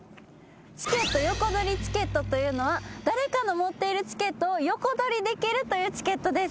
チケット横取りチケットというのは誰かの持っているチケットを横取りできるというチケットです。